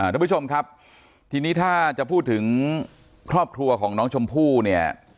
ทุกผู้ชมครับทีนี้ถ้าจะพูดถึงครอบครัวของน้องชมพู่เนี่ย